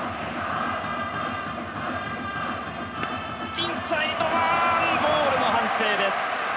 インサイドはボールの判定です！